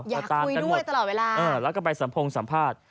อยากคุยด้วยตลอดเวลาแล้วก็ไปสัมพงสัมภาษณ์